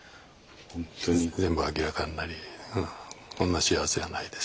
全部明らかになりこんな幸せはないです。